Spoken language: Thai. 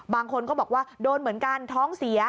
บางคนก็บอกว่าโดนเหมือนกันท้องเสีย